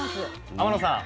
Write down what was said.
天野さん